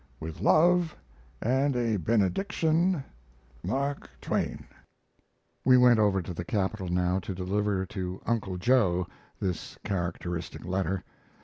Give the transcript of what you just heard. With love and a benediction; MARK TWAIN. We went over to the Capitol now to deliver to "Uncle Joe" this characteristic letter.